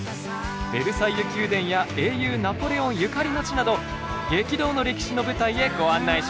ベルサイユ宮殿や英雄ナポレオンゆかりの地など激動の歴史の舞台へご案内します。